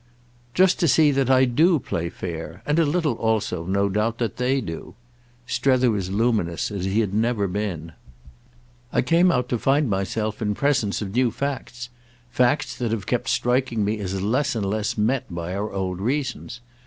"Just to see that I do play fair—and a little also, no doubt, that they do." Strether was luminous as he had never been. "I came out to find myself in presence of new facts—facts that have kept striking me as less and less met by our old reasons.